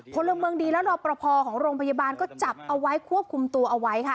พลเมืองดีและรอปภของโรงพยาบาลก็จับเอาไว้ควบคุมตัวเอาไว้ค่ะ